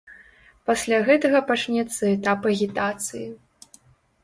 Пасля гэтага пачнецца этап агітацыі.